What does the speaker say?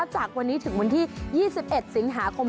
จากวันนี้ถึงวันที่๒๑สิงหาคม